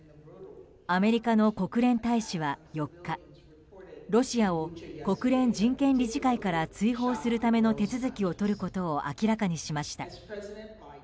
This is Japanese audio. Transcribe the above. アメリカの国連大使は４日ロシアを国連人権理事会から追放するための手続きをとることを明らかにしました。